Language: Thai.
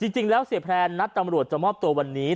จริงแล้วเสียแพลนนัดตำรวจจะมอบตัววันนี้